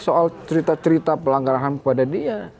soal cerita cerita pelanggaran ham kepada dia